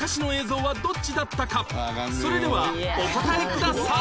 それではお答えください